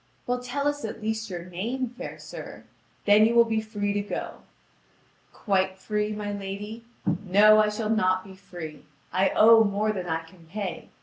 "Well, tell us at least your name, fair sir; then you will be free to go." "Quite free, my lady? No, I shall not be free. I owe more than I can pay.